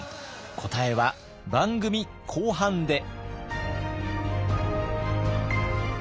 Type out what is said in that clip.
答えは番組後半で。